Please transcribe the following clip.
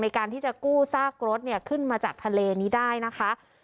ในการที่จะกู้ซากรถขึ้นมาจากทะเลนี้ได้นะคะ